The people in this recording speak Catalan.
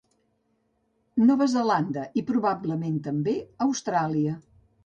Nova Zelanda i, probablement també, Austràlia.